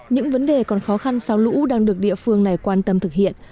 những vấn đề còn khó khăn sau lũ đang được địa phương này quan tâm thực hiện